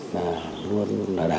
là luôn là đh